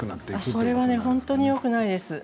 それは本当によくないです。